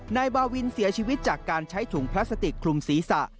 นายบาวินเสียชีวิตจากการใช้ถุงพลาสติกคลุมศีรษะ